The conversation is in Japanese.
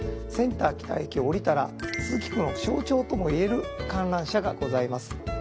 センター北駅を降りたら都筑区の象徴ともいえる観覧車がございます。